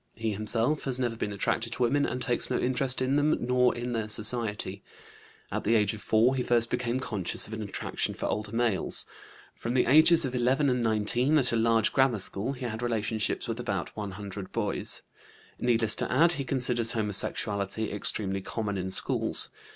He himself has never been attracted to women, and takes no interest in them nor in their society. At the age of 4 he first became conscious of an attraction for older males. From the ages of 11 and 19, at a large grammar school, he had relationships with about one hundred boys. Needless to add, he considers homosexuality extremely common in schools.